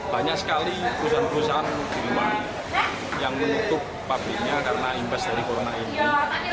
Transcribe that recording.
banyak sekali perusahaan perusahaan di rumah yang menutup pabriknya karena imbas dari corona ini